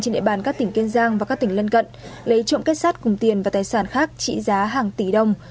trên địa bàn các tỉnh kiên giang và các tỉnh lân cận lấy trộm kết sát cùng tiền và tài sản khác trị giá hàng tỷ đồng